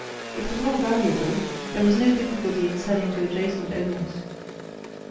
It was all valuable there was no difficulty in selling to adjacent owners."